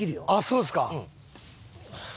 そうですか。